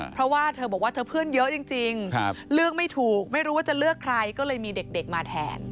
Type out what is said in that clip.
เพราะว่าเธอบอกว่าเธอเพื่อนเยอะจริงเลือกไม่ถูกไม่รู้ว่าจะเลือกใครก็เลยมีเด็กมาแทน